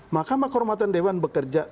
makam kehormatan dewa bekerja